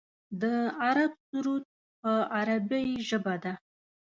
د عرب سرود په عربۍ ژبه دی.